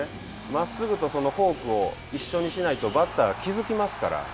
真っすぐとフォークを一緒にしないとバッターが気付きますから。